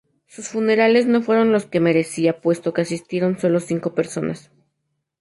Sus funerales no fueron los que merecía, puesto que asistieron solo cinco personas.